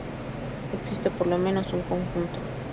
Existe por lo menos un conjunto.